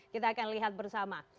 kita akan lihat bersama